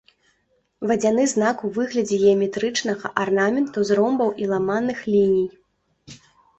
Вадзяны знак у выглядзе геаметрычнага арнаменту з ромбаў і ламаных ліній.